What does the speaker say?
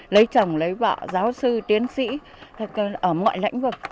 lấy chồng lấy vợ giáo sư tiến sĩ ở mọi lĩnh vực